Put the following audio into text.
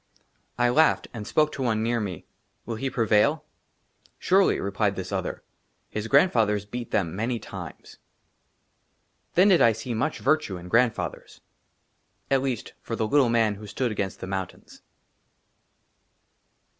I LAUGHED, AND SPOKE TO ONE NEAR ME, " WILL HE PREVAIL ?"" SURELY," REPLIED THIS OTHER ;*' HIS GRANDFATHERS BEAT THEM MANY TIMES." THEN DID I SEE MUCH VIRTUE IN GRAND FATHERS, AT LEAST, FOR THE LITTLE MAN WHO STOOD AGAINST THE MOUNTAINS.